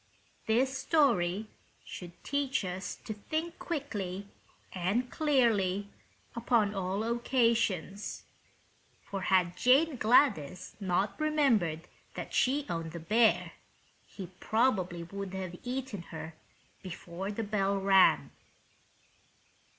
This story should teach us to think quickly and clearly upon all occasions; for had Jane Gladys not remembered that she owned the bear he probably would have eaten her before the bell rang.